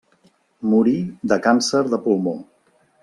Morí de càncer de pulmó.